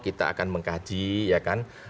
kita akan mengkaji ya kan